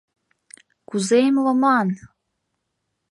— Кузе эмлыман?